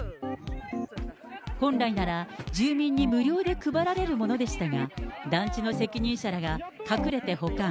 本来なら住民に無料で配られるものでしたが、団地の責任者らが隠れて保管。